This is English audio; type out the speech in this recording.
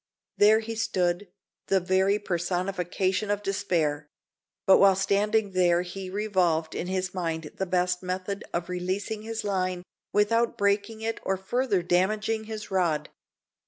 There he stood, the very personification of despair; but while standing there he revolved in his mind the best method of releasing his line without breaking it or further damaging his rod.